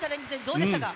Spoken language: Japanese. どうでしたか？